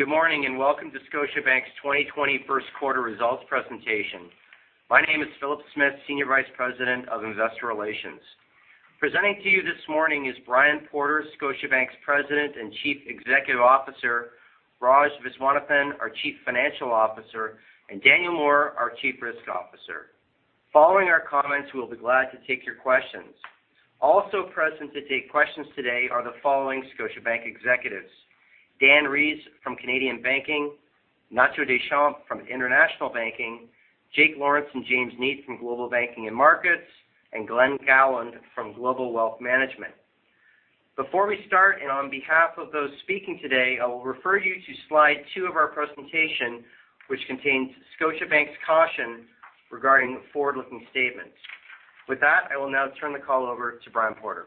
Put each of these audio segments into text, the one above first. Good morning, and welcome to Scotiabank's 2020 first quarter results presentation. My name is Philip Smith, Senior Vice President of Investor Relations. Presenting to you this morning is Brian Porter, Scotiabank's President and Chief Executive Officer, Raj Viswanathan, our Chief Financial Officer, and Daniel Moore, our Chief Risk Officer. Following our comments, we will be glad to take your questions. Also present to take questions today are the following Scotiabank executives: Dan Rees from Canadian Banking, Ignacio Deschamps from International Banking, Jake Lawrence and James Neate from Global Banking and Markets, and Glen Gowland from Global Wealth Management. Before we start, and on behalf of those speaking today, I will refer you to slide two of our presentation, which contains Scotiabank's caution regarding forward-looking statements. With that, I will now turn the call over to Brian Porter.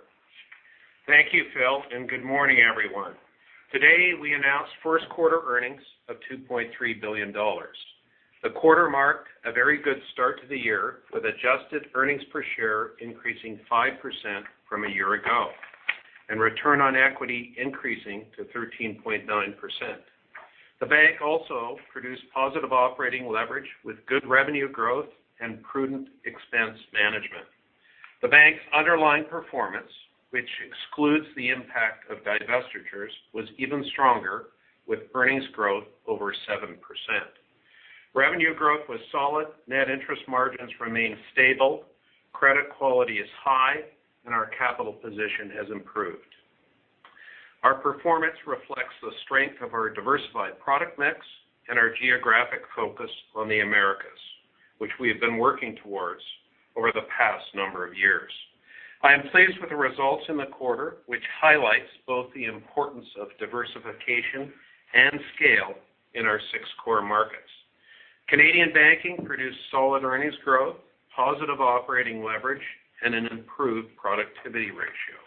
Thank you, Phil. Good morning, everyone. Today, we announced first quarter earnings of 2.3 billion dollars. The quarter marked a very good start to the year, with adjusted earnings per share increasing 5% from a year ago, and return on equity increasing to 13.9%. The bank also produced positive operating leverage with good revenue growth and prudent expense management. The bank's underlying performance, which excludes the impact of divestitures, was even stronger, with earnings growth over 7%. Revenue growth was solid, net interest margins remain stable, credit quality is high, and our capital position has improved. Our performance reflects the strength of our diversified product mix and our geographic focus on the Americas, which we have been working towards over the past number of years. I am pleased with the results in the quarter, which highlights both the importance of diversification and scale in our six core markets. Canadian Banking produced solid earnings growth, positive operating leverage, and an improved productivity ratio.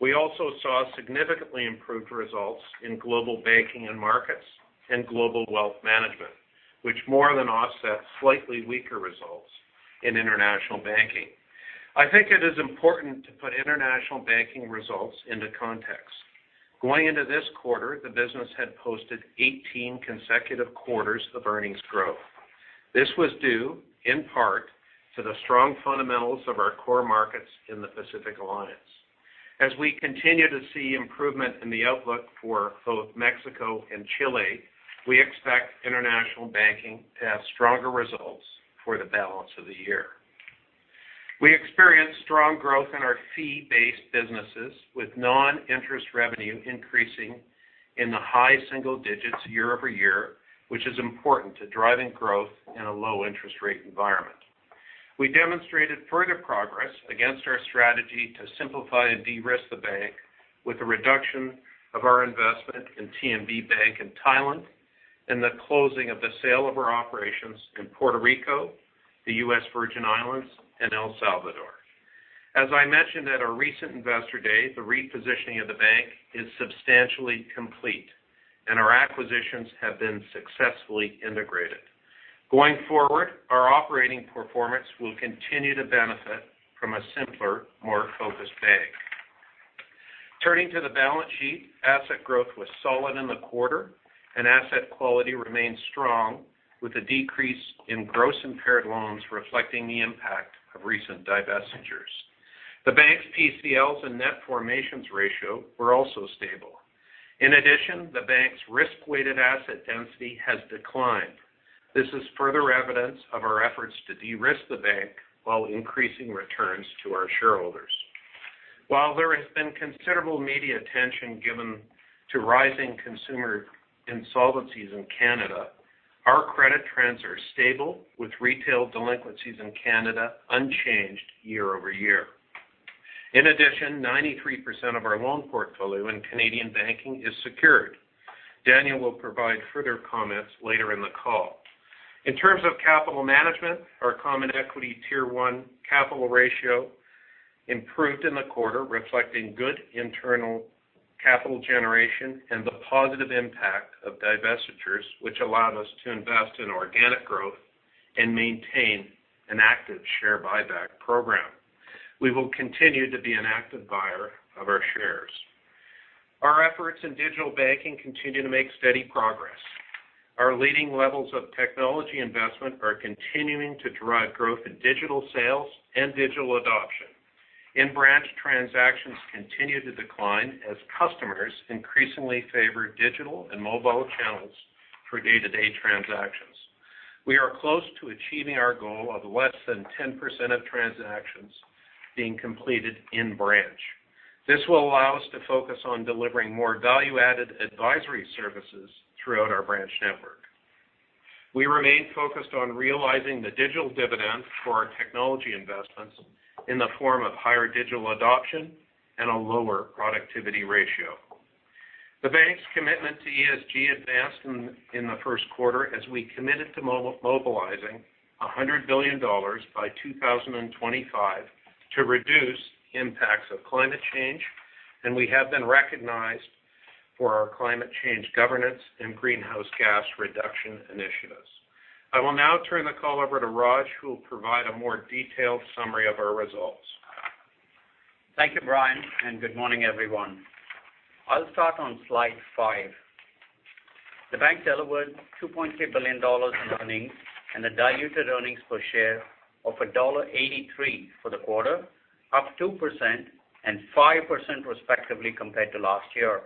We also saw significantly improved results in Global Banking and Markets, and Global Wealth Management, which more than offset slightly weaker results in International Banking. I think it is important to put International Banking results into context. Going into this quarter, the business had posted 18 consecutive quarters of earnings growth. This was due, in part, to the strong fundamentals of our core markets in the Pacific Alliance. As we continue to see improvement in the outlook for both Mexico and Chile, we expect International Banking to have stronger results for the balance of the year. We experienced strong growth in our fee-based businesses, with non-interest revenue increasing in the high single digits year-over-year, which is important to driving growth in a low interest rate environment. We demonstrated further progress against our strategy to simplify and de-risk the bank with the reduction of our investment in TMB Bank in Thailand and the closing of the sale of our operations in Puerto Rico, the U.S. Virgin Islands, and El Salvador. As I mentioned at our recent Investor Day, the repositioning of the bank is substantially complete, and our acquisitions have been successfully integrated. Going forward, our operating performance will continue to benefit from a simpler, more focused bank. Turning to the balance sheet, asset growth was solid in the quarter, and asset quality remains strong, with a decrease in gross impaired loans reflecting the impact of recent divestitures. The bank's PCLs and net formations ratio were also stable. In addition, the bank's risk-weighted asset density has declined. This is further evidence of our efforts to de-risk the bank while increasing returns to our shareholders. While there has been considerable media attention given to rising consumer insolvencies in Canada, our credit trends are stable, with retail delinquencies in Canada unchanged year-over-year. In addition, 93% of our loan portfolio in Canadian Banking is secured. Daniel will provide further comments later in the call. In terms of capital management, our common equity Tier 1 capital ratio improved in the quarter, reflecting good internal capital generation and the positive impact of divestitures, which allowed us to invest in organic growth and maintain an active share buyback program. We will continue to be an active buyer of our shares. Our efforts in digital banking continue to make steady progress. Our leading levels of technology investment are continuing to drive growth in digital sales and digital adoption. In-branch transactions continue to decline as customers increasingly favor digital and mobile channels for day-to-day transactions. We are close to achieving our goal of less than 10% of transactions being completed in-branch. This will allow us to focus on delivering more value-added advisory services throughout our branch network. We remain focused on realizing the digital dividend for our technology investments in the form of higher digital adoption and a lower productivity ratio. The bank's commitment to ESG advanced in the first quarter as we committed to mobilizing 100 billion dollars by 2025 to reduce impacts of climate change, and we have been recognized for our climate change governance and greenhouse gas reduction initiatives. I will now turn the call over to Raj, who will provide a more detailed summary of our results. Thank you, Brian. Good morning, everyone. I'll start on slide five. The bank delivered 2.3 billion dollars in earnings and a diluted earnings per share of dollar 1.83 for the quarter, up 2% and 5% respectively compared to last year.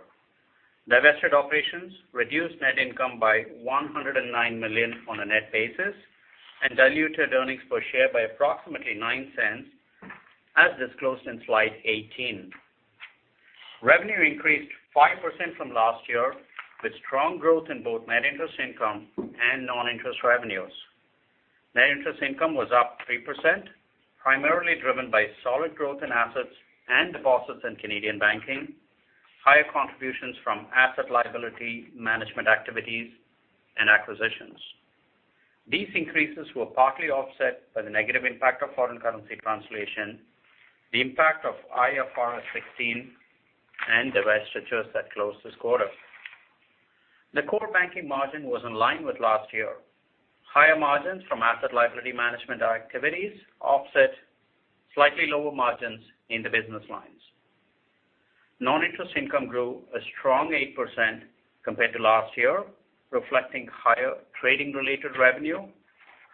Divested operations reduced net income by 109 million on a net basis and diluted earnings per share by approximately 0.09 as disclosed in Slide 18. Revenue increased 5% from last year, with strong growth in both Net Interest Income and non-interest revenues. Net Interest Income was up 3%, primarily driven by solid growth in assets and deposits in Canadian Banking, higher contributions from asset liability management activities, and acquisitions. These increases were partly offset by the negative impact of foreign currency translation, the impact of IFRS 16, and divestitures that closed this quarter. The core banking margin was in line with last year. Higher margins from asset liability management activities offset slightly lower margins in the business lines. Non-interest income grew a strong 8% compared to last year, reflecting higher trading-related revenue,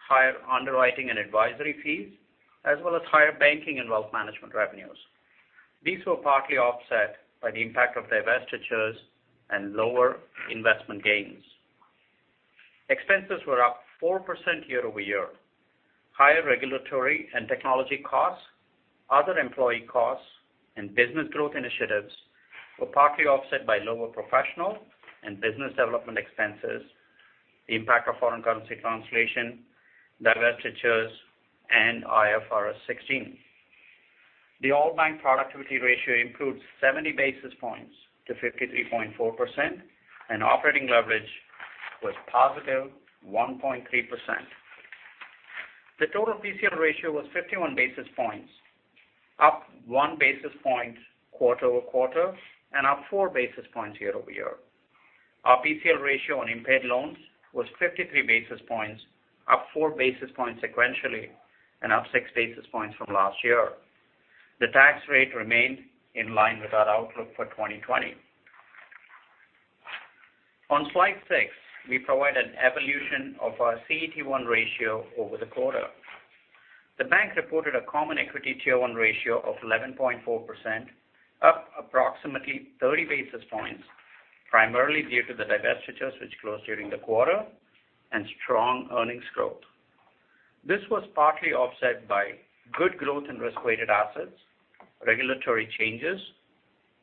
higher underwriting and advisory fees, as well as higher banking and wealth management revenues. These were partly offset by the impact of divestitures and lower investment gains. Expenses were up 4% year-over-year. Higher regulatory and technology costs, other employee costs, and business growth initiatives were partly offset by lower professional and business development expenses, the impact of foreign currency translation, divestitures, and IFRS 16. The all-bank productivity ratio improved 70 basis points to 53.4%, and operating leverage was positive 1.3%. The total PCL ratio was 51 basis points, up one basis point quarter-over-quarter and up 4 basis points year-over-year. Our PCL ratio on impaired loans was 53 basis points, up 4 basis points sequentially and up 6 basis points from last year. The tax rate remained in line with our outlook for 2020. On slide six, we provide an evolution of our CET1 ratio over the quarter. The bank reported a Common Equity Tier 1 ratio of 11.4%, up approximately 30 basis points, primarily due to the divestitures which closed during the quarter and strong earnings growth. This was partly offset by good growth in risk-weighted assets, regulatory changes,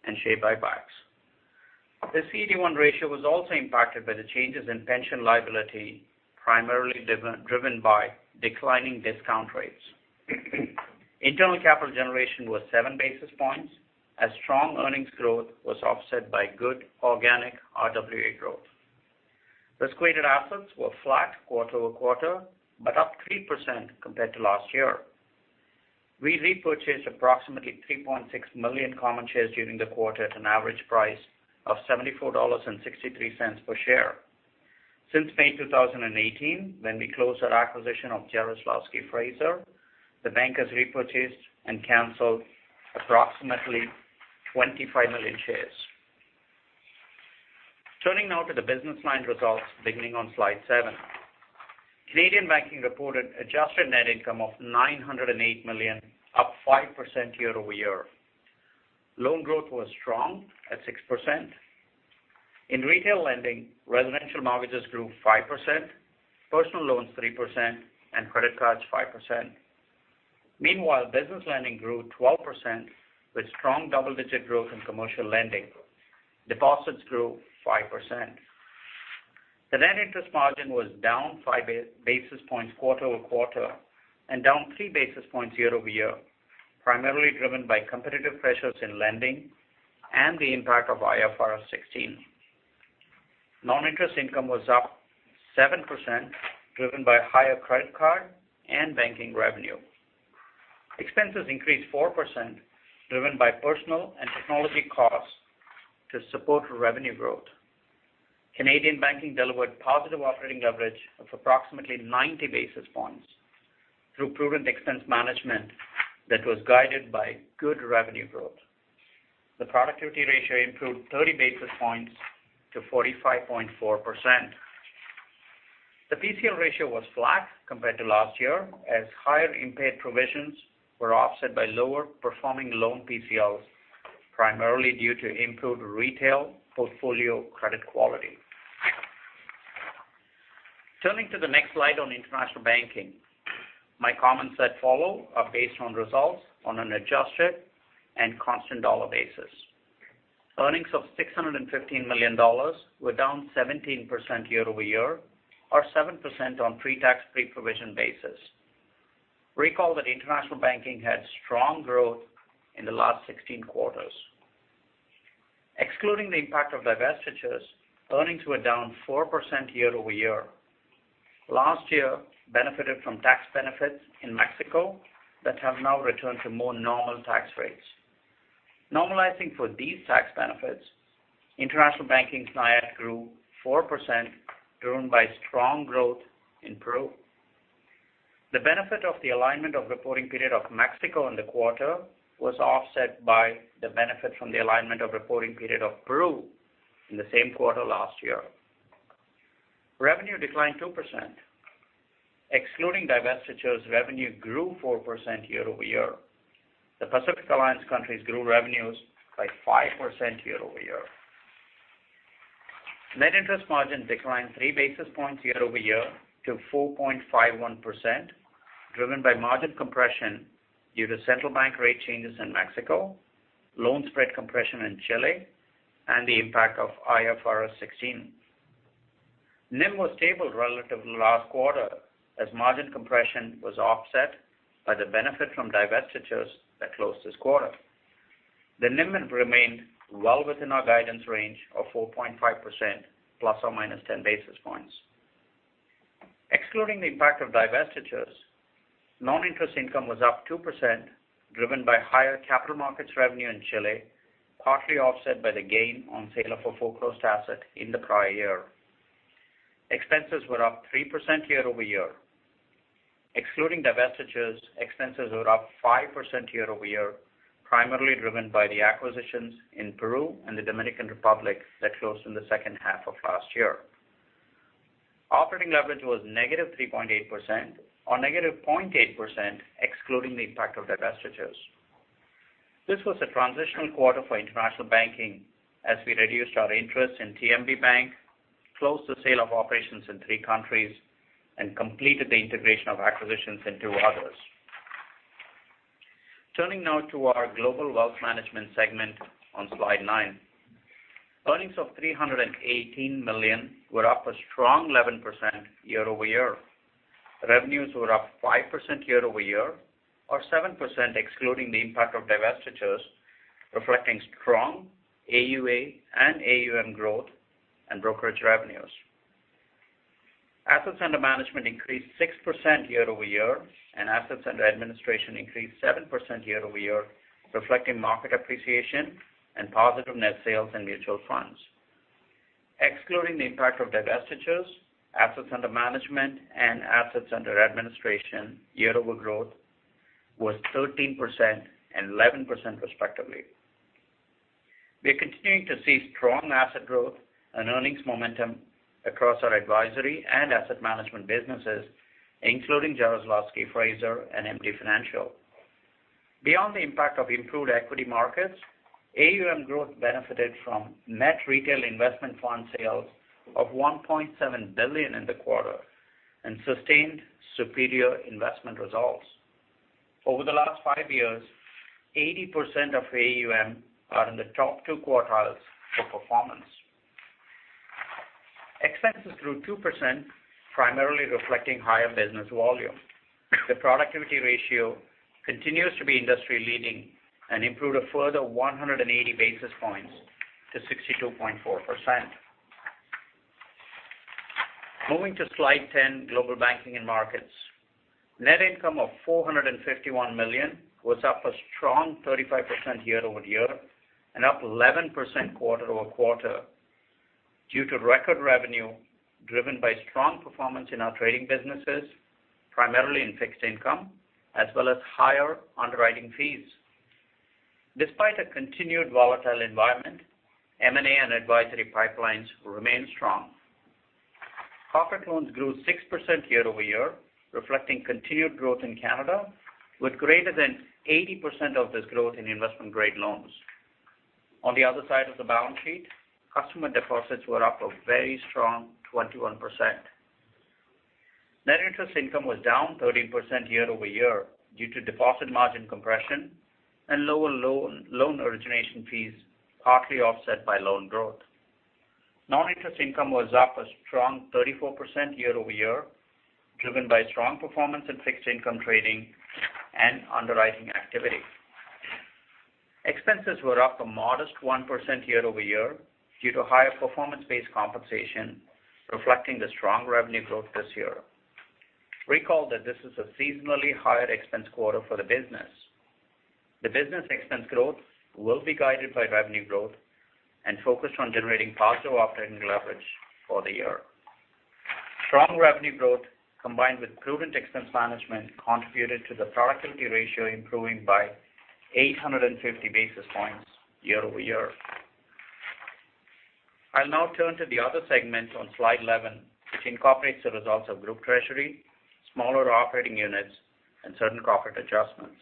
and share buybacks. The CET1 ratio was also impacted by the changes in pension liability, primarily driven by declining discount rates. Internal capital generation was 7 basis points as strong earnings growth was offset by good organic RWA growth. Risk-weighted assets were flat quarter-over-quarter, but up 3% compared to last year. We repurchased approximately 3.6 million common shares during the quarter at an average price of 74.63 dollars per share. Since May 2018, when we closed our acquisition of Jarislowsky Fraser, the bank has repurchased and canceled approximately 25 million shares. Turning now to the business line results beginning on slide seven. Canadian Banking reported adjusted net income of 908 million, up 5% year-over-year. Loan growth was strong at 6%. In retail lending, residential mortgages grew 5%, personal loans 3%, and credit cards 5%. Meanwhile, business lending grew 12% with strong double-digit growth in commercial lending. Deposits grew 5%. The net interest margin was down 5 basis points quarter-over-quarter and down 3 basis points year-over-year, primarily driven by competitive pressures in lending and the impact of IFRS 16. Non-interest income was up 7%, driven by higher credit card and banking revenue. Expenses increased 4%, driven by personal and technology costs to support revenue growth. Canadian Banking delivered positive operating leverage of approximately 90 basis points through prudent expense management that was guided by good revenue growth. The productivity ratio improved 30 basis points to 45.4%. The PCL ratio was flat compared to last year as higher impaired provisions were offset by lower-performing loan PCLs, primarily due to improved retail portfolio credit quality. Turning to the next slide on International Banking. My comments that follow are based on results on an adjusted and constant dollar basis. Earnings of 615 million dollars were down 17% year-over-year or 7% on pre-tax, pre-provision basis. Recall that International Banking had strong growth in the last 16 quarters. Excluding the impact of divestitures, earnings were down 4% year-over-year. Last year benefited from tax benefits in Mexico that have now returned to more normal tax rates. Normalizing for these tax benefits, International Banking NIIAD grew 4%, driven by strong growth in Peru. The benefit of the alignment of reporting period of Mexico in the quarter was offset by the benefit from the alignment of reporting period of Peru in the same quarter last year. Revenue declined 2%. Excluding divestitures, revenue grew 4% year-over-year. The Pacific Alliance countries grew revenues by 5% year-over-year. Net interest margin declined 3 basis points year-over-year to 4.51%, driven by margin compression due to central bank rate changes in Mexico, loan spread compression in Chile, and the impact of IFRS 16. NIM was stable relative to last quarter, as margin compression was offset by the benefit from divestitures that closed this quarter. The NIM remained well within our guidance range of 4.5% ±10 basis points. Excluding the impact of divestitures, non-interest income was up 2%, driven by higher capital markets revenue in Chile, partly offset by the gain on sale of a foreclosed asset in the prior year. Expenses were up 3% year-over-year. Excluding divestitures, expenses were up 5% year-over-year, primarily driven by the acquisitions in Peru and the Dominican Republic that closed in the second half of last year. Operating leverage was -3.8%, or -0.8% excluding the impact of divestitures. This was a transitional quarter for International Banking as we reduced our interest in TMB Bank, closed the sale of operations in three countries, and completed the integration of acquisitions in two others. Turning now to our Global Wealth Management segment on slide nine. Earnings of 318 million were up a strong 11% year-over-year. Revenues were up 5% year-over-year, or 7% excluding the impact of divestitures, reflecting strong AUA and AUM growth and brokerage revenues. Assets under management increased 6% year-over-year, and assets under administration increased 7% year-over-year, reflecting market appreciation and positive net sales in mutual funds. Excluding the impact of divestitures, assets under management and assets under administration year-over-growth was 13% and 11% respectively. We are continuing to see strong asset growth and earnings momentum across our advisory and asset management businesses, including Jarislowsky Fraser and MD Financial. Beyond the impact of improved equity markets, AUM growth benefited from net retail investment fund sales of 1.7 billion in the quarter, and sustained superior investment results. Over the last five years, 80% of AUM are in the top two quartiles for performance. Expenses grew 2%, primarily reflecting higher business volume. The productivity ratio continues to be industry-leading and improved a further 180 basis points to 62.4%. Moving to slide 10, Global Banking and Markets. Net income of 451 million was up a strong 35% year-over-year, and up 11% quarter-over-quarter due to record revenue driven by strong performance in our trading businesses, primarily in fixed income, as well as higher underwriting fees. Despite a continued volatile environment, M&A and advisory pipelines remain strong. Profit loans grew 6% year-over-year, reflecting continued growth in Canada, with greater than 80% of this growth in investment-grade loans. On the other side of the balance sheet, customer deposits were up a very strong 21%. Net Interest Income was down 13% year-over-year due to deposit margin compression and lower loan origination fees, partly offset by loan growth. Non-interest income was up a strong 34% year-over-year, driven by strong performance in fixed income trading and underwriting activity. Expenses were up a modest 1% year-over-year due to higher performance-based compensation reflecting the strong revenue growth this year. Recall that this is a seasonally higher expense quarter for the business. The business expense growth will be guided by revenue growth and focused on generating positive operating leverage for the year. Strong revenue growth combined with prudent expense management contributed to the productivity ratio improving by 850 basis points year-over-year. I'll now turn to the other segments on slide 11, which incorporates the results of group treasury, smaller operating units, and certain profit adjustments.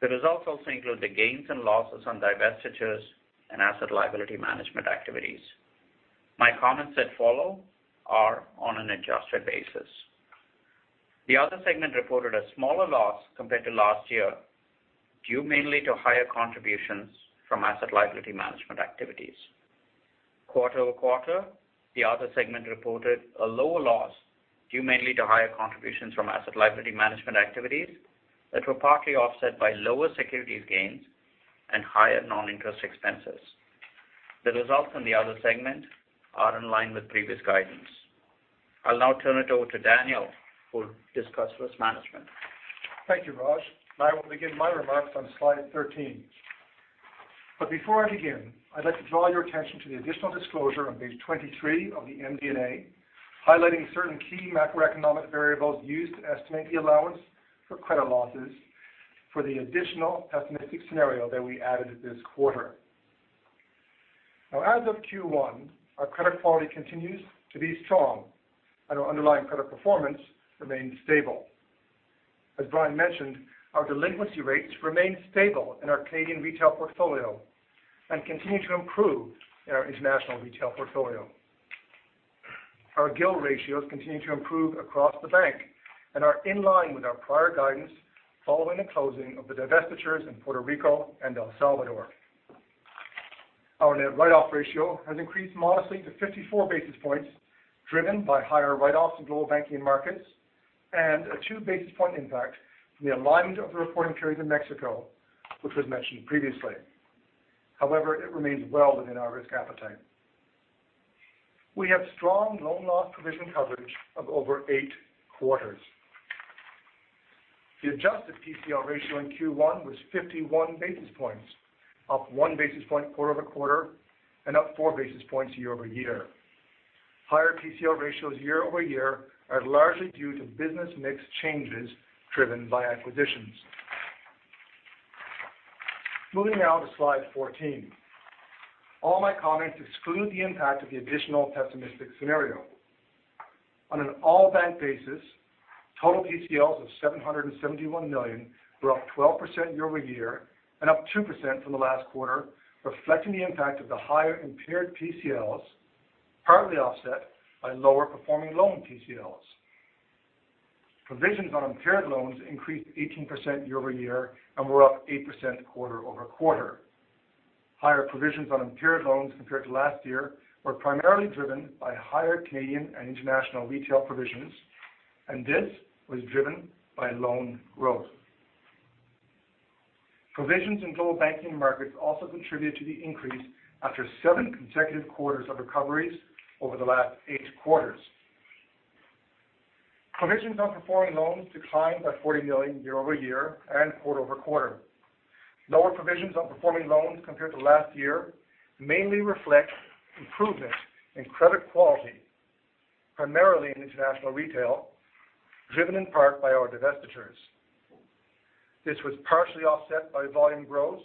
The results also include the gains and losses on divestitures and asset liability management activities. My comments that follow are on an adjusted basis. The other segment reported a smaller loss compared to last year, due mainly to higher contributions from asset liability management activities. Quarter-over-quarter, the other segment reported a lower loss due mainly to higher contributions from asset liability management activities that were partly offset by lower securities gains and higher non-interest expenses. The results from the other segment are in line with previous guidance. I'll now turn it over to Daniel, who will discuss risk management. Thank you, Raj. I will begin my remarks on slide 13. Before I begin, I'd like to draw your attention to the additional disclosure on page 23 of the MD&A, highlighting certain key macroeconomic variables used to estimate the allowance for credit losses for the additional pessimistic scenario that we added this quarter. As of Q1, our credit quality continues to be strong and our underlying credit performance remains stable. As Brian mentioned, our delinquency rates remain stable in our Canadian retail portfolio and continue to improve in our international retail portfolio. Our GIL ratios continue to improve across the bank and are in line with our prior guidance following the closing of the divestitures in Puerto Rico and El Salvador. Our net write-off ratio has increased modestly to 54 basis points, driven by higher write-offs in Global Banking and Markets and a two basis point impact from the alignment of the reporting period in Mexico, which was mentioned previously. However, it remains well within our risk appetite. We have strong loan loss provision coverage of over eight quarters. The adjusted PCL ratio in Q1 was 51 basis points, up one basis point quarter-over-quarter, and up 4 basis points year-over-year. Higher PCL ratios year-over-year are largely due to business mix changes driven by acquisitions. Moving now to slide 14. All my comments exclude the impact of the additional pessimistic scenario. On an all bank basis, total PCLs of 771 million were up 12% year-over-year and up 2% from the last quarter, reflecting the impact of the higher impaired PCLs, partly offset by lower performing loan PCLs. Provisions on impaired loans increased 18% year-over-year and were up 8% quarter-over-quarter. Higher provisions on impaired loans compared to last year were primarily driven by higher Canadian and international retail provisions, and this was driven by loan growth. Provisions in Global Banking and Markets also contributed to the increase after seven consecutive quarters of recoveries over the last eight quarters. Provisions on performing loans declined by 40 million year-over-year and quarter-over-quarter. Lower provisions on performing loans compared to last year mainly reflect improvement in credit quality, primarily in international retail, driven in part by our divestitures. This was partially offset by volume growth,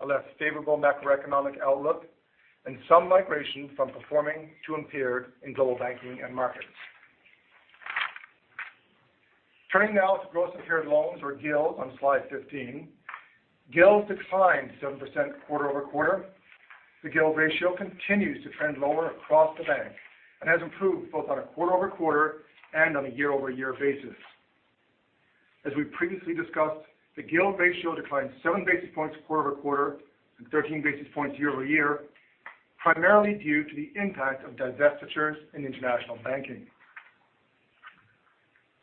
a less favorable macroeconomic outlook, and some migration from performing to impaired in Global Banking and Markets. Turning now to gross impaired loans or GILs on slide 15. GILs declined 7% quarter-over-quarter. The GIL ratio continues to trend lower across the bank and has improved both on a quarter-over-quarter and on a year-over-year basis. As we previously discussed, the GIL ratio declined 7 basis points quarter-over-quarter and 13 basis points year-over-year, primarily due to the impact of divestitures in International Banking.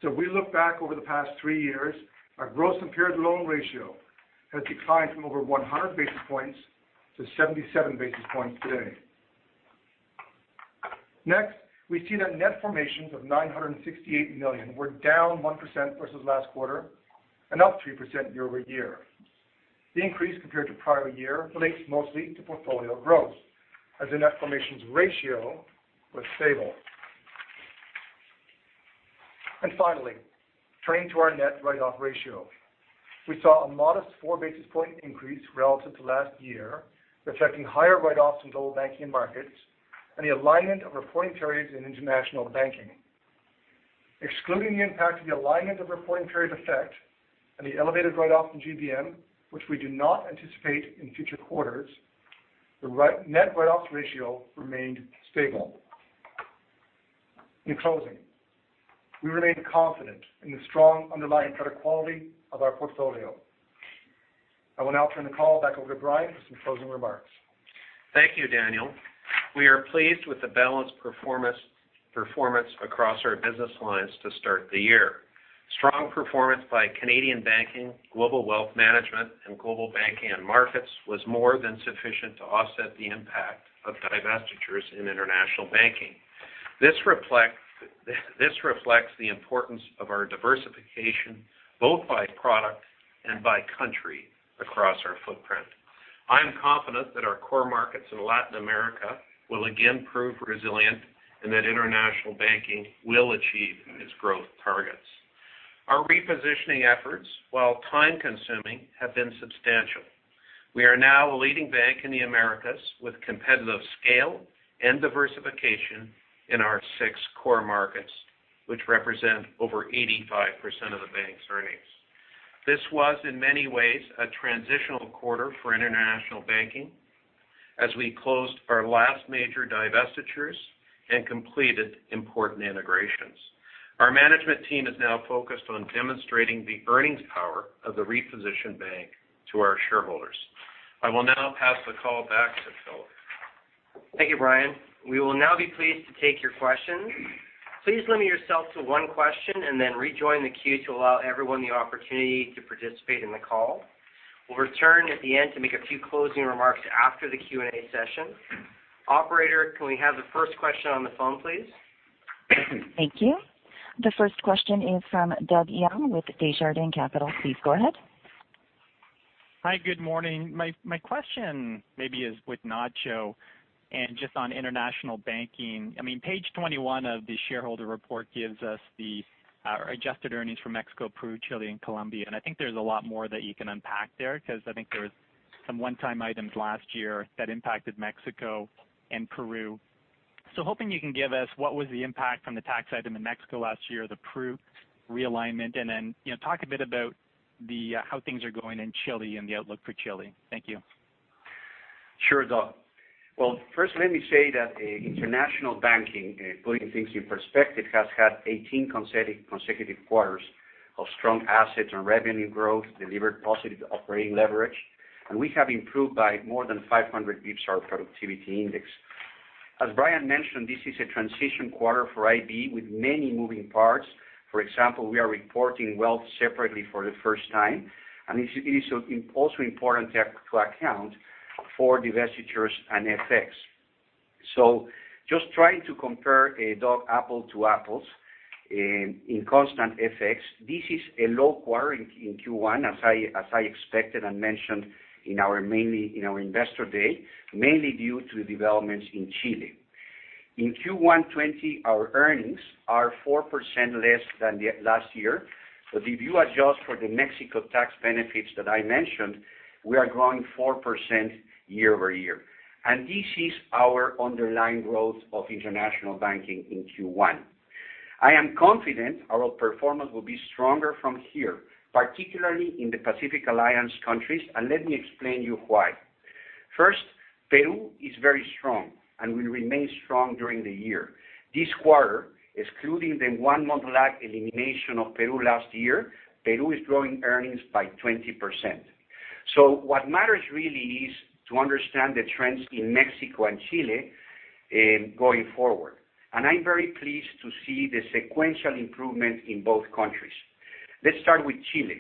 If we look back over the past three years, our gross impaired loan ratio has declined from over 100-77 basis points today. Next, we see that net formations of 968 million were down 1% versus last quarter and up 3% year-over-year. The increase compared to prior year relates mostly to portfolio growth as the net formations ratio was stable. Finally, turning to our net write-off ratio. We saw a modest 4 basis point increase relative to last year, reflecting higher write-offs in Global Banking and Markets and the alignment of reporting periods in International Banking. Excluding the impact of the alignment of reporting periods effect and the elevated write-off in GBM, which we do not anticipate in future quarters, the net write-offs ratio remained stable. In closing, we remain confident in the strong underlying credit quality of our portfolio. I will now turn the call back over to Brian for some closing remarks. Thank you, Daniel. We are pleased with the balanced performance across our business lines to start the year. Strong performance by Canadian Banking, Global Wealth Management, and Global Banking and Markets was more than sufficient to offset the impact of divestitures in International Banking. This reflects the importance of our diversification, both by product and by country across our footprint. I'm confident that our core markets in Latin America will again prove resilient and that International Banking will achieve its growth targets. Our repositioning efforts, while time-consuming, have been substantial. We are now a leading bank in the Americas with competitive scale and diversification in our six core markets, which represent over 85% of the bank's earnings. This was, in many ways, a transitional quarter for International Banking as we closed our last major divestitures and completed important integrations. Our management team is now focused on demonstrating the earnings power of the repositioned bank to our shareholders. I will now pass the call back to Philip. Thank you, Brian. We will now be pleased to take your questions. Please limit yourself to one question and then rejoin the queue to allow everyone the opportunity to participate in the call. We'll return at the end to make a few closing remarks after the Q&A session. Operator, can we have the first question on the phone, please? Thank you. The first question is from Doug Young with Desjardins Capital. Please go ahead. Hi. Good morning. My question maybe is with Nacho and just on International Banking. Page 21 of the shareholder report gives us the adjusted earnings from Mexico, Peru, Chile, and Colombia. I think there's a lot more that you can unpack there because I think there was some one-time items last year that impacted Mexico and Peru. Hoping you can give us what was the impact from the tax item in Mexico last year, the Peru realignment, and then talk a bit about how things are going in Chile and the outlook for Chile. Thank you. Sure, Doug. First let me say that International Banking, putting things in perspective, has had 18 consecutive quarters of strong assets and revenue growth, delivered positive operating leverage, and we have improved by more than 500 basis points our productivity index. As Brian mentioned, this is a transition quarter for IB with many moving parts. For example, we are reporting wealth separately for the first time, and it is also important to account for divestitures and FX. Just trying to compare, Doug, apple to apples in constant FX, this is a low quarter in Q1, as I expected and mentioned in our Investor Day, mainly due to developments in Chile. In Q1 2020, our earnings are 4% less than last year. If you adjust for the Mexico tax benefits that I mentioned, we are growing 4% year-over-year. This is our underlying growth of International Banking in Q1. I am confident our performance will be stronger from here, particularly in the Pacific Alliance countries, let me explain you why. First, Peru is very strong and will remain strong during the year. This quarter, excluding the one-month lag elimination of Peru last year, Peru is growing earnings by 20%. What matters really is to understand the trends in Mexico and Chile going forward. I'm very pleased to see the sequential improvement in both countries. Let's start with Chile.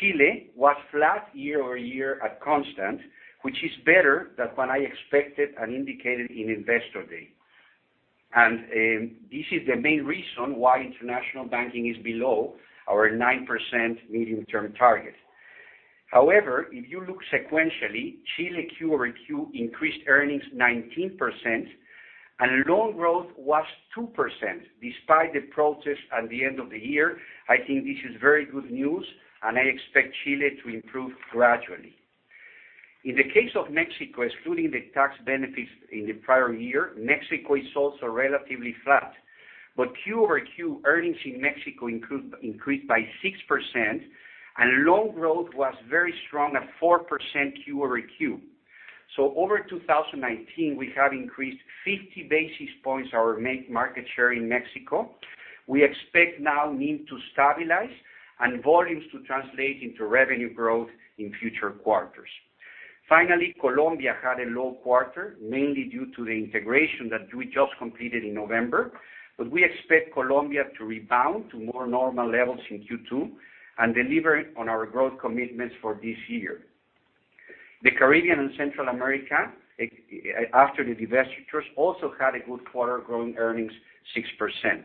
Chile was flat year-over-year at constant, which is better than what I expected and indicated in Investor Day. This is the main reason why International Banking is below our 9% medium-term target. However, if you look sequentially, Chile Q over Q increased earnings 19% and loan growth was 2%, despite the protests at the end of the year. I think this is very good news, and I expect Chile to improve gradually. In the case of Mexico, excluding the tax benefits in the prior year, Mexico is also relatively flat. quarter-over-quarter earnings in Mexico increased by 6%, and loan growth was very strong at 4% quarter-over-quarter. Over 2019, we have increased 50 basis points our main market share in Mexico. We expect now NIM to stabilize and volumes to translate into revenue growth in future quarters. Finally, Colombia had a low quarter, mainly due to the integration that we just completed in November. We expect Colombia to rebound to more normal levels in Q2 and deliver on our growth commitments for this year. The Caribbean and Central America, after the divestitures, also had a good quarter, growing earnings 6%.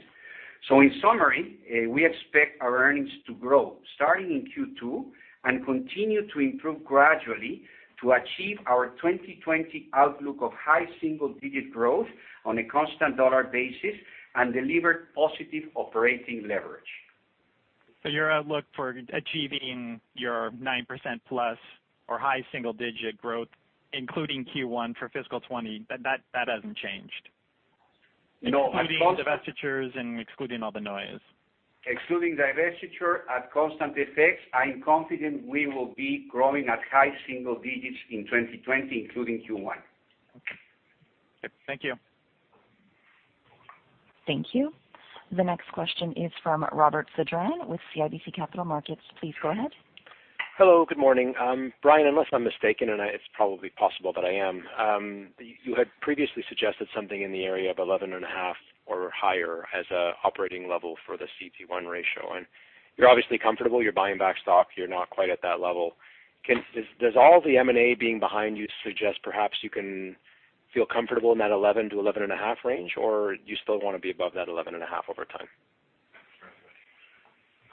In summary, we expect our earnings to grow starting in Q2 and continue to improve gradually to achieve our 2020 outlook of high single-digit growth on a constant dollar basis and deliver positive operating leverage. Your outlook for achieving your 9%+ or high single-digit growth, including Q1 for fiscal 2020, that hasn't changed? No. Including divestitures and excluding all the noise. Excluding divestiture at constant FX, I am confident we will be growing at high single digits in 2020, including Q1. Okay. Thank you. Thank you. The next question is from Robert Sedran with CIBC Capital Markets. Please go ahead. Hello. Good morning. Brian, unless I'm mistaken, and it's probably possible that I am, you had previously suggested something in the area of 11.5% or higher as an operating level for the CET1 ratio. You're obviously comfortable. You're buying back stock. You're not quite at that level. Does all the M&A being behind you suggest perhaps you can feel comfortable in that 11%-11.5% range, or do you still want to be above that 11.5% over time?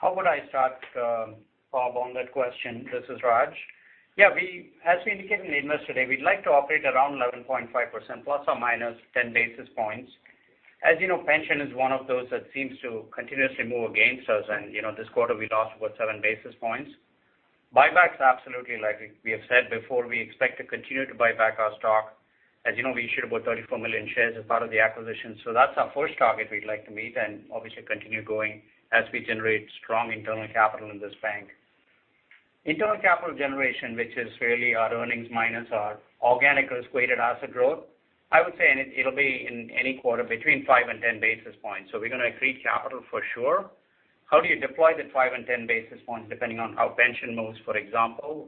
How would I start, Bob, on that question? This is Raj. Yeah, as we indicated in the Investor Day, we'd like to operate around 11.5%, ±10 basis points. As you know, pension is one of those that seems to continuously move against us, and this quarter we lost about 7 basis points. Buybacks, absolutely. Like we have said before, we expect to continue to buy back our stock. As you know, we issued about 34 million shares as part of the acquisition. That's our first target we'd like to meet and obviously continue going as we generate strong internal capital in this bank. Internal capital generation, which is really our earnings minus our organic risk-weighted asset growth, I would say it'll be in any quarter between five and 10 basis points. We're going to accrete capital for sure. How do you deploy the 5 basis points and 10 basis points depending on how pension moves, for example,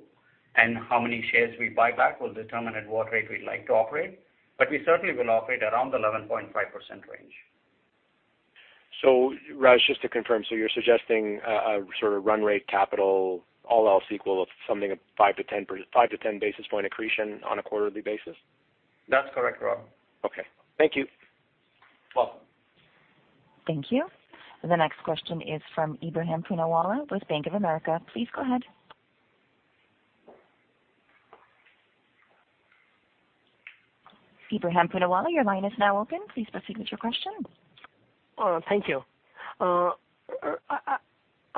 and how many shares we buy back will determine at what rate we'd like to operate, but we certainly will operate around the 11.5% range. Raj, just to confirm, so you're suggesting a sort of run rate capital, all else equal of something of 5-10 basis point accretion on a quarterly basis? That's correct, Rob. Okay. Thank you. Welcome. Thank you. The next question is from Ebrahim Poonawala with Bank of America. Please go ahead. Ebrahim Poonawala, your line is now open. Please proceed with your question. Thank you. I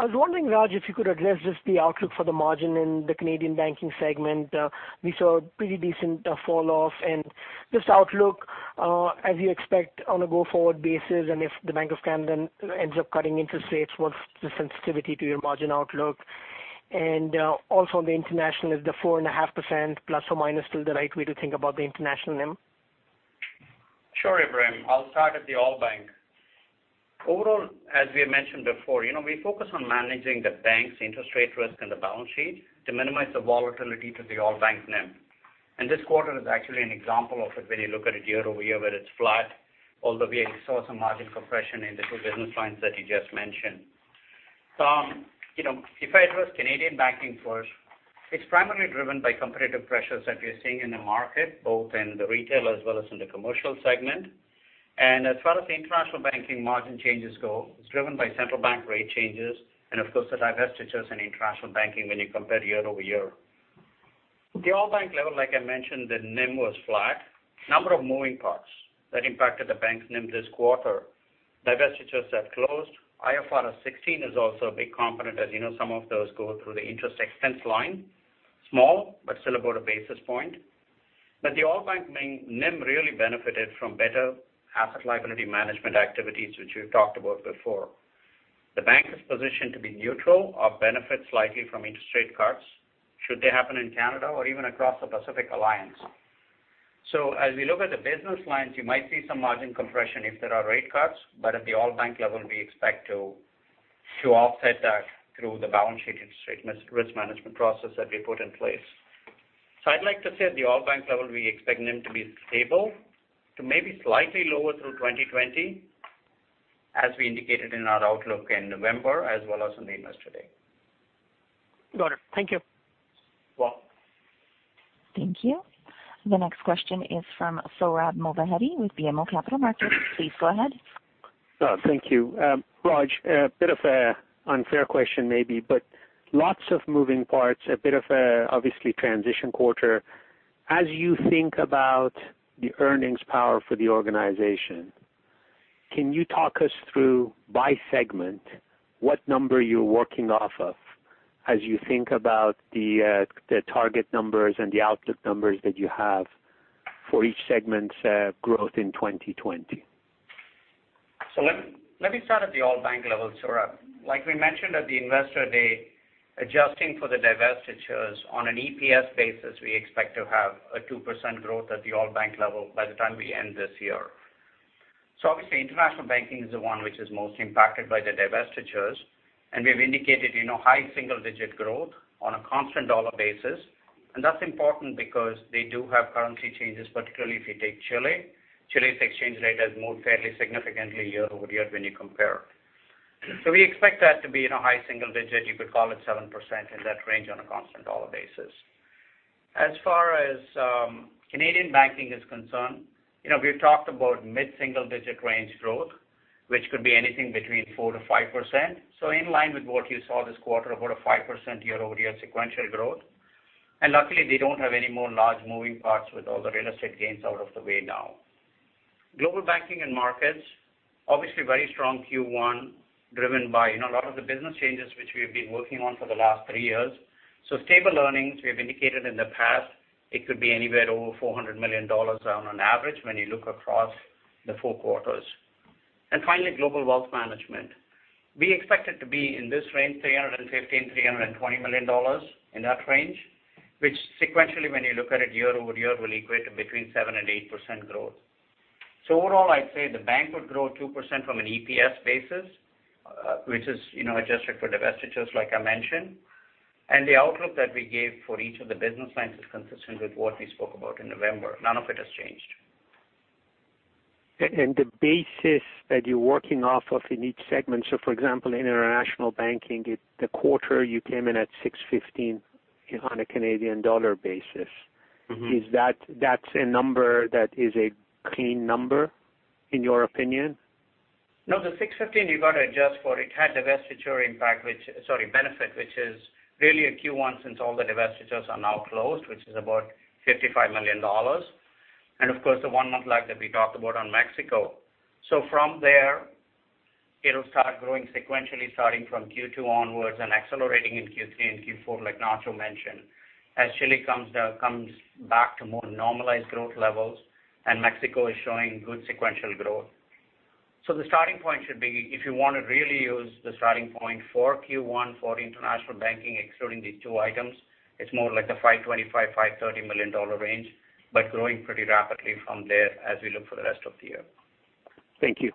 was wondering, Raj, if you could address just the outlook for the margin in the Canadian Banking segment. We saw a pretty decent fall off and just outlook, as you expect on a go-forward basis, and if the Bank of Canada ends up cutting interest rates, what's the sensitivity to your margin outlook? Also on the International is the 4.5%± still the right way to think about the International NIM? Sure, Ebrahim. I'll start at the all-bank. Overall, as we had mentioned before, we focus on managing the bank's interest rate risk and the balance sheet to minimize the volatility to the all-bank NIM. This quarter is actually an example of it when you look at it year-over-year, where it's flat, although we saw some margin compression in the two business lines that you just mentioned. If I address Canadian Banking first, it's primarily driven by competitive pressures that we are seeing in the market, both in the retail as well as in the commercial segment. As far as the International Banking margin changes go, it's driven by central bank rate changes and of course, the divestitures in International Banking when you compare year-over-year. The all-bank level, like I mentioned, the NIM was flat. Number of moving parts that impacted the bank's NIM this quarter, divestitures have closed. IFRS 16 is also a big component. As you know, some of those go through the interest expense line, small, but still about a basis point. The all bank NIM really benefited from better asset liability management activities, which we've talked about before. The bank is positioned to be neutral or benefit slightly from interest rate cuts should they happen in Canada or even across the Pacific Alliance. As we look at the business lines, you might see some margin compression if there are rate cuts, but at the all bank level, we expect to offset that through the balance sheet interest rate risk management process that we put in place. I'd like to say at the all bank level, we expect NIM to be stable to maybe slightly lower through 2020 as we indicated in our outlook in November as well as on the Investor Day. Got it. Thank you. Welcome. Thank you. The next question is from Sohrab Movahedi with BMO Capital Markets. Please go ahead. Thank you. Raj, a bit of a unfair question maybe, but lots of moving parts, a bit of a, obviously transition quarter. As you think about the earnings power for the organization, can you talk us through by segment what number you're working off of as you think about the target numbers and the outlook numbers that you have for each segment's growth in 2020? Let me start at the all-bank level, Sohrab. Like we mentioned at the Investor Day, adjusting for the divestitures on an EPS basis, we expect to have a 2% growth at the all-bank level by the time we end this year. Obviously International Banking is the one which is most impacted by the divestitures, and we've indicated high single digit growth on a constant dollar basis. That's important because they do have currency changes, particularly if you take Chile. Chile's exchange rate has moved fairly significantly year-over-year when you compare. We expect that to be in a high single digit, you could call it 7% in that range on a constant dollar basis. As far as Canadian Banking is concerned, we've talked about mid-single digit range growth, which could be anything between 4%-5%. In line with what you saw this quarter, about a 5% year-over-year sequential growth. Luckily they don't have any more large moving parts with all the real estate gains out of the way now. Global Banking and Markets, obviously very strong Q1 driven by a lot of the business changes, which we've been working on for the last three years. Stable earnings we have indicated in the past it could be anywhere over 400 million dollars on average when you look across the four quarters. Finally, Global Wealth Management. We expect it to be in this range, 315 million-320 million dollars in that range, which sequentially when you look at it year-over-year, will equate to between 7% and 8% growth. Overall, I'd say the bank would grow 2% from an EPS basis, which is adjusted for divestitures like I mentioned. The outlook that we gave for each of the business lines is consistent with what we spoke about in November. None of it has changed. The basis that you're working off of in each segment, for example, in International Banking, the quarter you came in at 615 on a Canadian dollar basis. That's a number that is a clean number in your opinion? No, the 615 you got to adjust for it had divestiture impact benefit, which is really a Q1 since all the divestitures are now closed, which is about 55 million dollars. Of course, the one month lag that we talked about on Mexico. From there it'll start growing sequentially starting from Q2 onwards and accelerating in Q3 and Q4 like Nacho mentioned, as Chile comes back to more normalized growth levels and Mexico is showing good sequential growth. The starting point should be if you want to really use the starting point for Q1 for International Banking, excluding these two items, it's more like the 525 million-530 million dollar range, but growing pretty rapidly from there as we look for the rest of the year. Thank you.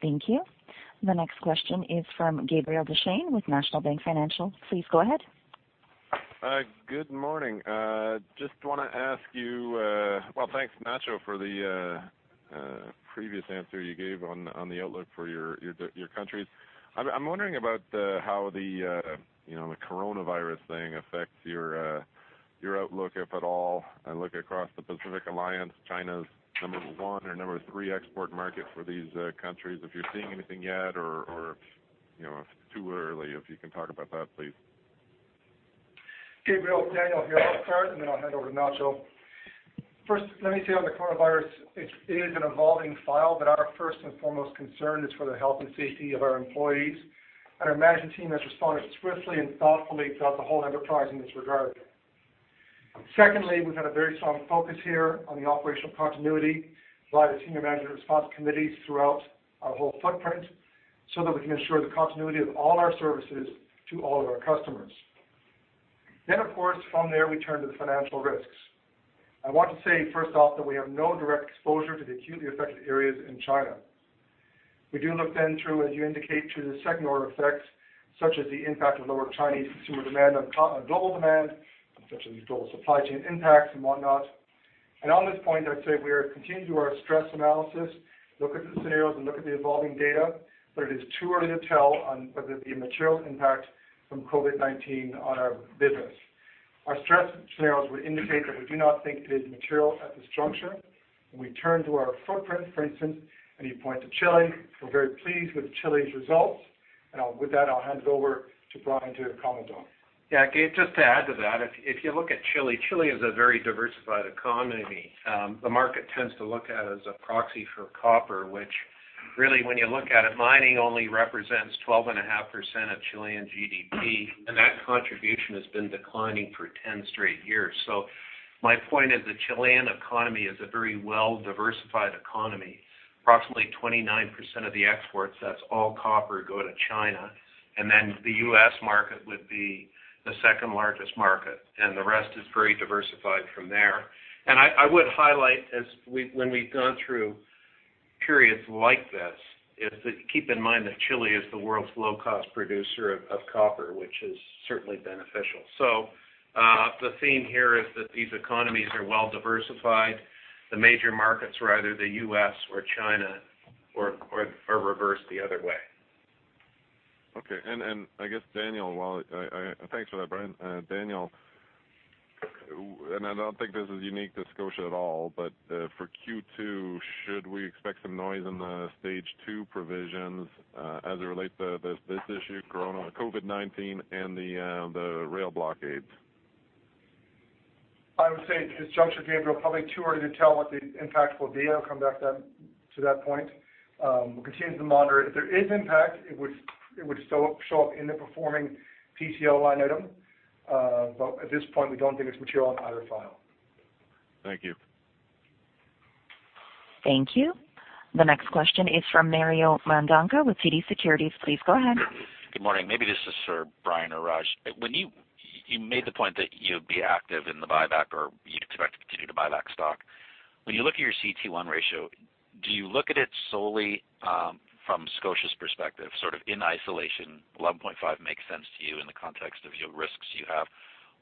Thank you. The next question is from Gabriel Dechaine with National Bank Financial. Please go ahead. Good morning. Well, thanks, Nacho, for the previous answer you gave on the outlook for your countries. I'm wondering about how the coronavirus thing affects your outlook, if at all. I look across the Pacific Alliance, China's number one or number three export market for these countries. If you're seeing anything yet or if it's too early, if you can talk about that, please. Gabriel, Daniel here, I'll start, and then I'll hand over to Nacho. First, let me say on the coronavirus, it is an evolving file, but our first and foremost concern is for the health and safety of our employees, and our management team has responded swiftly and thoughtfully throughout the whole enterprise in this regard. Secondly, we've had a very strong focus here on the operational continuity by the senior management response committees throughout our whole footprint so that we can ensure the continuity of all our services to all of our customers. Of course, from there, we turn to the financial risks. I want to say, first off, that we have no direct exposure to the acutely affected areas in China. We do look then through, as you indicate, to the second order effects, such as the impact of lower Chinese consumer demand on global demand, such as global supply chain impacts and whatnot. On this point, I'd say we are continuing to do our stress analysis, look at the scenarios, and look at the evolving data, but it is too early to tell on whether it be a material impact from COVID-19 on our business. Our stress scenarios would indicate that we do not think it is material at this juncture. When we turn to our footprint, for instance, and you point to Chile, we're very pleased with Chile's results. With that, I'll hand it over to Brian to comment on. Yeah, Gabe, just to add to that, if you look at Chile is a very diversified economy. The market tends to look at it as a proxy for copper, which really when you look at it, mining only represents 12.5% of Chilean GDP, and that contribution has been declining for 10 straight years. My point is the Chilean economy is a very well-diversified economy. Approximately 29% of the exports, that's all copper, go to China, then the U.S. market would be the second largest market, the rest is very diversified from there. I would highlight as when we've gone through periods like this, is that you keep in mind that Chile is the world's low-cost producer of copper, which is certainly beneficial. The theme here is that these economies are well diversified. The major markets are either the U.S. Or China or reversed the other way. Okay. I guess, Daniel, thanks for that, Brian. Daniel, I don't think this is unique to Scotia at all, but for Q2, should we expect some noise in the Stage 2 provisions as it relates to this issue, COVID-19, and the rail blockades? I would say at this juncture, Gabriel, probably too early to tell what the impact will be. I'll come back to that point. We'll continue to monitor it. If there is impact, it would show up in the performing PCL line item. At this point, we don't think it's material on either file. Thank you. Thank you. The next question is from Mario Mendonca with TD Securities. Please go ahead. Good morning. Maybe this is for Brian or Raj. You made the point that you'd be active in the buyback or you'd expect to continue to buy back stock. When you look at your CET1 ratio, do you look at it solely from Scotiabank's perspective, sort of in isolation, 11.5 makes sense to you in the context of your risks you have?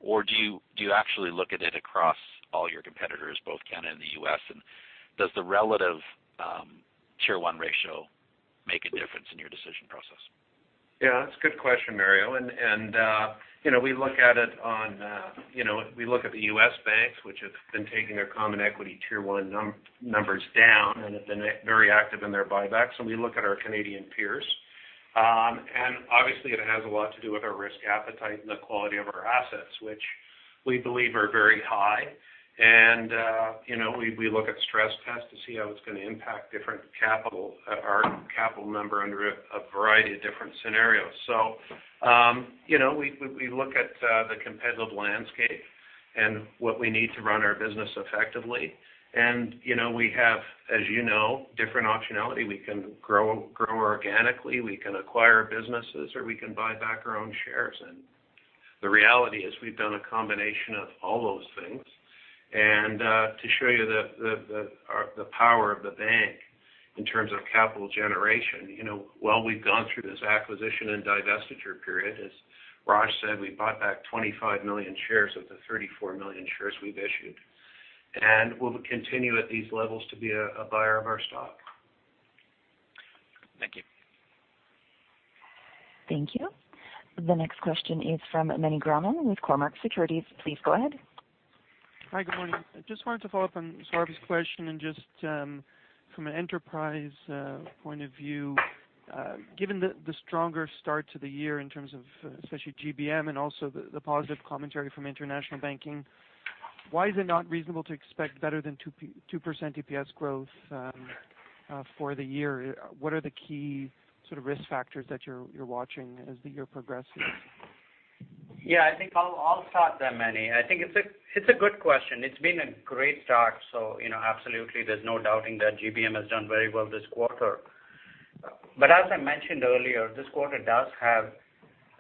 Or do you actually look at it across all your competitors, both Canada and the U.S., and does the relative Tier 1 ratio make a difference in your decision process? Yeah, that's a good question, Mario. We look at the U.S. banks, which have been taking their Common Equity Tier 1 numbers down and have been very active in their buybacks, and we look at our Canadian peers. Obviously it has a lot to do with our risk appetite and the quality of our assets, which we believe are very high. We look at stress tests to see how it's going to impact our capital number under a variety of different scenarios. We look at the competitive landscape and what we need to run our business effectively. We have, as you know, different optionality. We can grow organically, we can acquire businesses, or we can buy back our own shares. The reality is we've done a combination of all those things. To show you the power of the bank in terms of capital generation, while we've gone through this acquisition and divestiture period, as Raj said, we bought back 25 million shares of the 34 million shares we've issued, and we'll continue at these levels to be a buyer of our stock. Thank you. Thank you. The next question is from Meny Grauman with Cormark Securities. Please go ahead. Hi, good morning. I just wanted to follow up on Sohrab's question and just from an enterprise point of view, given the stronger start to the year in terms of especially GBM and also the positive commentary from International Banking, why is it not reasonable to expect better than 2% EPS growth for the year? What are the key sort of risk factors that you're watching as the year progresses? Yeah, I think I'll start that, Meny. I think it's a good question. It's been a great start, so absolutely there's no doubting that GBM has done very well this quarter. As I mentioned earlier, this quarter does have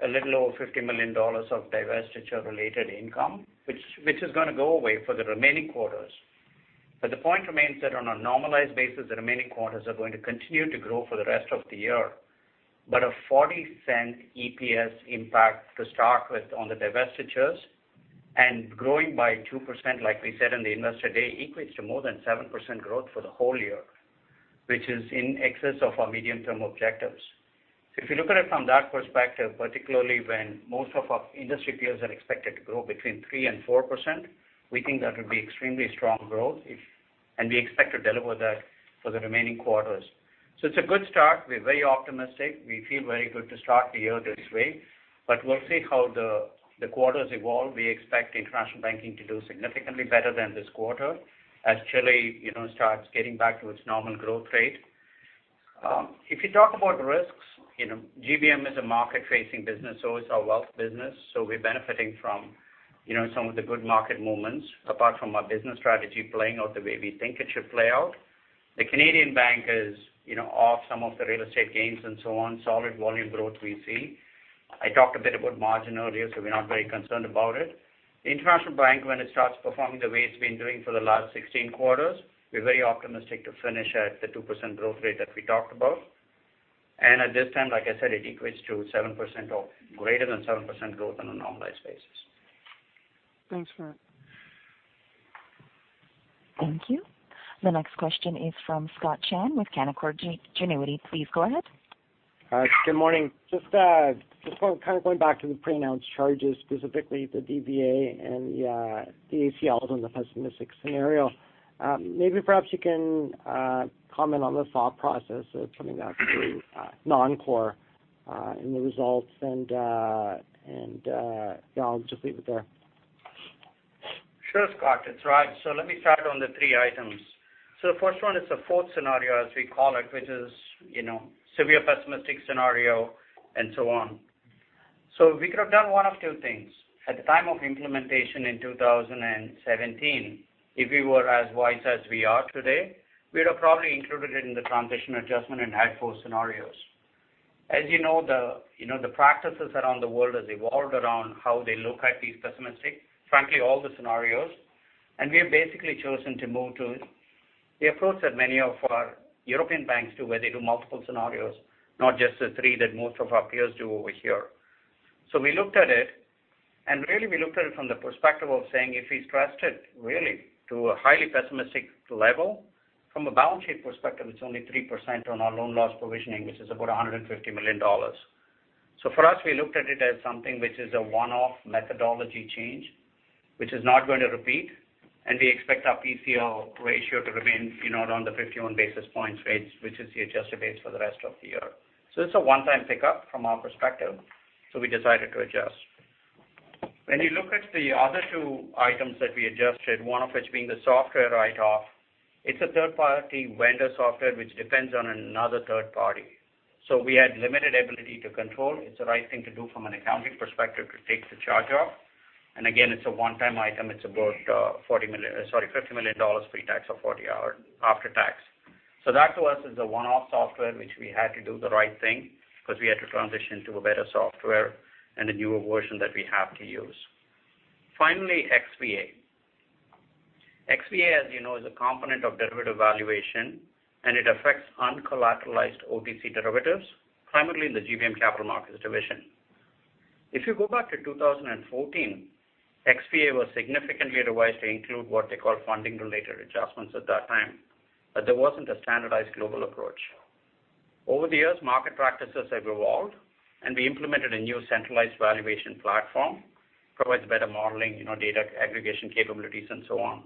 a little over 50 million dollars of divestiture related income, which is going to go away for the remaining quarters. The point remains that on a normalized basis, the remaining quarters are going to continue to grow for the rest of the year. A 0.40 EPS impact to start with on the divestitures and growing by 2%, like we said in the Investor Day, equates to more than 7% growth for the whole year, which is in excess of our medium-term objectives. If you look at it from that perspective, particularly when most of our industry peers are expected to grow between 3% and 4%, we think that would be extremely strong growth, and we expect to deliver that for the remaining quarters. It's a good start. We're very optimistic. We feel very good to start the year this way. We'll see how the quarters evolve. We expect International Banking to do significantly better than this quarter as Chile starts getting back to its normal growth rate. If you talk about risks, GBM is a market-facing business, so is our Global Wealth Management business. We're benefiting from some of the good market movements, apart from our business strategy playing out the way we think it should play out. The Canadian Banking is off some of the real estate gains and so on, solid volume growth we see. I talked a bit about margin earlier. We're not very concerned about it. International Bank, when it starts performing the way it's been doing for the last 16 quarters, we're very optimistic to finish at the 2% growth rate that we talked about. At this time, like I said, it equates to greater than 7% growth on a normalized basis. Thanks for that. Thank you. The next question is from Scott Chan with Canaccord Genuity. Please go ahead. Hi, good morning. Just kind of going back to the pre-announced charges, specifically the DVA and the ACLs on the pessimistic scenario. Maybe perhaps you can comment on the thought process of coming back to non-core in the results and I'll just leave it there. Sure, Scott, that's right. Let me start on the three items. The first one is the fourth scenario, as we call it, which is severe pessimistic scenario and so on. We could have done one of two things. At the time of implementation in 2017, if we were as wise as we are today, we'd have probably included it in the transition adjustment and had four scenarios. As you know, the practices around the world has evolved around how they look at these pessimistic, frankly, all the scenarios. We have basically chosen to move to the approach that many of our European banks do, where they do multiple scenarios, not just the three that most of our peers do over here. We looked at it, and really we looked at it from the perspective of saying if we stressed it really to a highly pessimistic level, from a balance sheet perspective, it's only 3% on our loan loss provisioning, which is about 150 million dollars. For us, we looked at it as something which is a one-off methodology change, which is not going to repeat, and we expect our PCL ratio to remain around the 51 basis points rates, which is the adjusted base for the rest of the year. It's a one-time pickup from our perspective, so we decided to adjust. When you look at the other two items that we adjusted, one of which being the software write-off, it's a third-party vendor software which depends on another third party. We had limited ability to control. It's the right thing to do from an accounting perspective to take the charge off. Again, it's a one-time item. It's about 50 million dollars pre-tax or 40 million after tax. That to us is the one-off software which we had to do the right thing because we had to transition to a better software and a newer version that we have to use. Finally, XVA. XVA, as you know, is a component of derivative valuation, and it affects uncollateralized OTC derivatives, primarily in the GBM Capital Markets division. If you go back to 2014, XVA was significantly revised to include what they call funding-related adjustments at that time. There wasn't a standardized global approach. Over the years, market practices have evolved, and we implemented a new centralized valuation platform, provides better modeling, data aggregation capabilities and so on.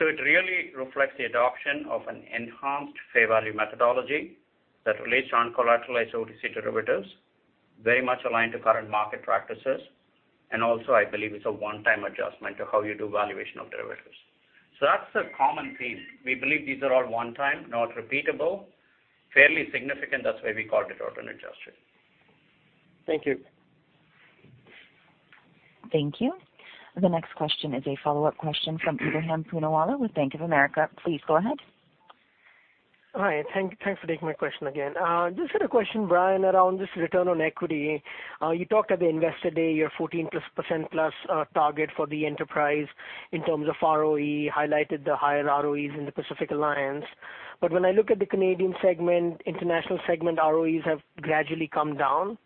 It really reflects the adoption of an enhanced fair value methodology that relates to uncollateralized OTC derivatives, very much aligned to current market practices. Also, I believe it's a one-time adjustment to how you do valuation of derivatives. That's the common theme. We believe these are all one time, not repeatable, fairly significant. That's why we called it out in adjustment. Thank you. Thank you. The next question is a follow-up question from Ebrahim Poonawala with Bank of America. Please go ahead. Hi, thanks for taking my question again. Just had a question, Brian, around just return on equity. You talked at the Investor Day your 14%+ target for the enterprise in terms of ROE, highlighted the higher ROEs in the Pacific Alliance. When I look at the Canadian segment, International segment ROEs have gradually come down.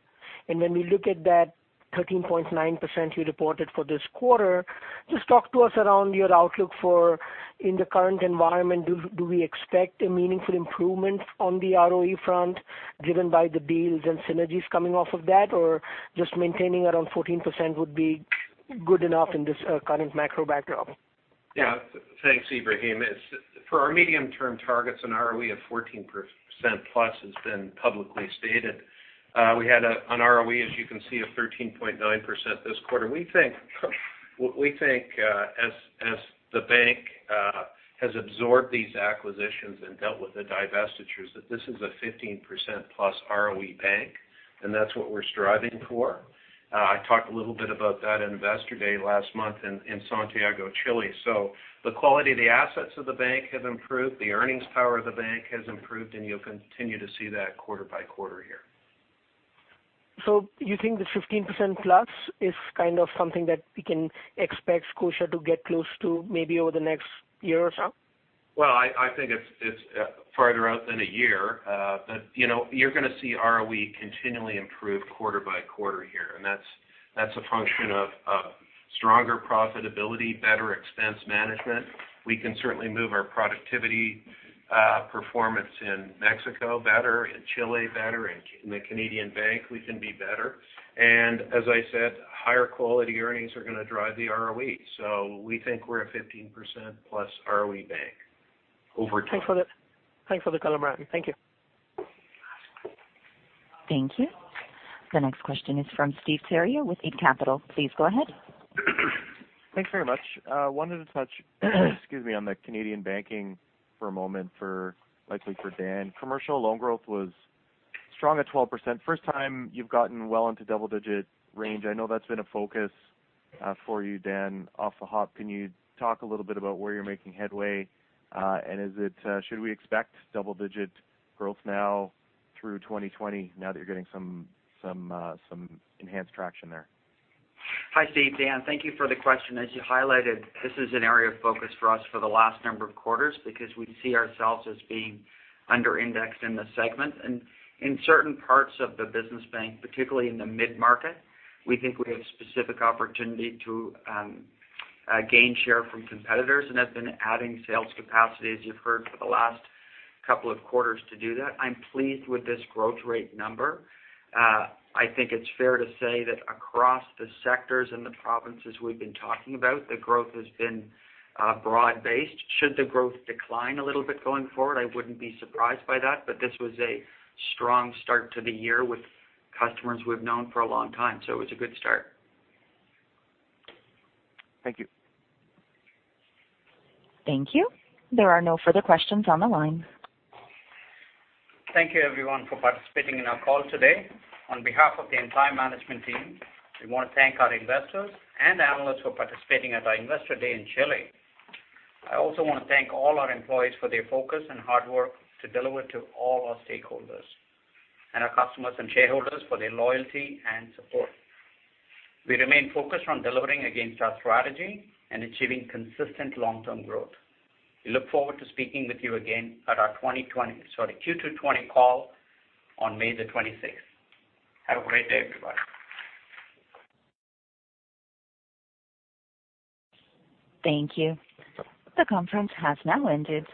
When we look at that 13.9% you reported for this quarter, just talk to us around your outlook for in the current environment, do we expect a meaningful improvement on the ROE front driven by the deals and synergies coming off of that, or just maintaining around 14% would be good enough in this current macro backdrop? Yeah. Thanks, Ebrahim. For our medium-term targets, an ROE of 14%+ has been publicly stated. We had an ROE, as you can see, of 13.9% this quarter. We think as the bank has absorbed these acquisitions and dealt with the divestitures, that this is a 15%+ ROE bank, and that's what we're striving for. I talked a little bit about that at Investor Day last month in Santiago, Chile. The quality of the assets of the bank have improved, the earnings power of the bank has improved, and you'll continue to see that quarter by quarter here. You think the 15%+ is kind of something that we can expect Scotiabank to get close to maybe over the next year or so? Well, I think it's farther out than a year. You're going to see ROE continually improve quarter by quarter here, and that's a function of stronger profitability, better expense management. We can certainly move our productivity performance in Mexico better, in Chile better. In the Canadian Banking, we can be better. As I said, higher quality earnings are going to drive the ROE. We think we're a 15%+ ROE bank over time. Thanks for the color, Brian. Thank you. Thank you. The next question is from Steve Theriault with Eight Capital. Please go ahead. Thanks very much. Wanted to touch excuse me, on the Canadian Banking for a moment for likely for Dan. Commercial loan growth was strong at 12%. First time you've gotten well into double-digit range. I know that's been a focus for you, Dan. Off the hop, can you talk a little bit about where you're making headway? Should we expect double-digit growth now through 2020 now that you're getting some enhanced traction there? Hi, Steve. Dan. Thank you for the question. As you highlighted, this is an area of focus for us for the last number of quarters because we see ourselves as being under-indexed in the segment. In certain parts of the business bank, particularly in the mid-market, we think we have specific opportunity to gain share from competitors and have been adding sales capacity, as you've heard, for the last couple of quarters to do that. I'm pleased with this growth rate number. I think it's fair to say that across the sectors and the provinces we've been talking about, the growth has been broad-based. Should the growth decline a little bit going forward, I wouldn't be surprised by that. This was a strong start to the year with customers we've known for a long time. It was a good start. Thank you. Thank you. There are no further questions on the line. Thank you everyone for participating in our call today. On behalf of the entire management team, we want to thank our investors and analysts for participating at our Investor Day in Chile. I also want to thank all our employees for their focus and hard work to deliver to all our stakeholders, and our customers and shareholders for their loyalty and support. We remain focused on delivering against our strategy and achieving consistent long-term growth. We look forward to speaking with you again at our Q2 2020 call on May the 26th. Have a great day, everyone. Thank you. The conference has now ended.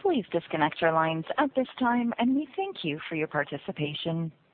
Please disconnect your lines at this time. We thank you for your participation.